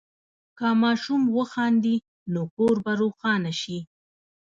که ماشوم وخاندي، نو کور به روښانه شي.